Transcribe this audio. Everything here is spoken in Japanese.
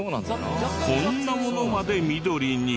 こんなものまで緑に。